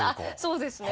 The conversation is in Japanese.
そうですね。